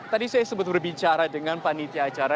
tadi saya sempat berbicara dengan panitia acara